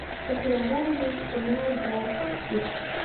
که خواران دي که مال دار دي